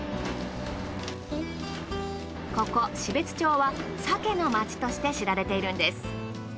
ここ標津町は鮭の街として知られているんです。